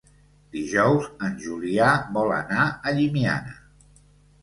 Dijous en Julià vol anar a Llimiana.